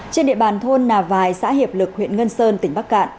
trên địa bàn thôn nà vài xã hiệp lực huyện ngân sơn tỉnh bắc cạn